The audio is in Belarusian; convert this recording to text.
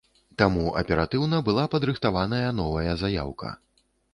Таму аператыўна была падрыхтаваная новая заяўка.